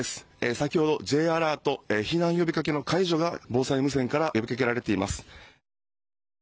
先ほどＪアラート避難呼びかけの解除が防災無線から呼びかけられています。